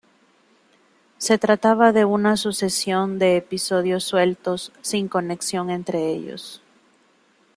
Se trataba de una sucesión de episodios sueltos sin conexión entre ellos.